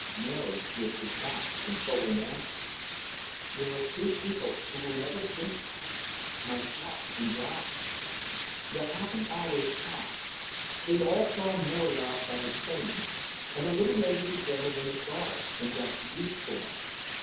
Mary whispered back the consoling answer, "There are two people who will never think that, myself and Guy." The happy hours passed. They all saw Mary off by her train, and a little later the General and his daughter went back to Eastbourne.